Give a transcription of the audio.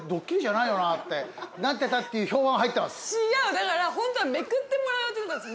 だからホントはめくってもらう予定だったんです。